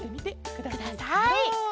ください。